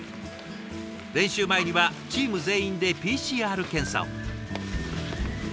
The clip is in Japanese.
練習前にはチーム全員でＰＣＲ検査を。